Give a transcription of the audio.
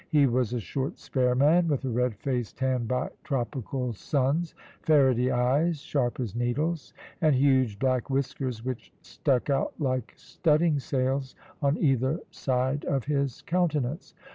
He was a short, spare man, with a red face tanned by tropical suns, ferrety eyes, sharp as needles, and huge black whiskers which stuck out like studding sails on either side of his countenance.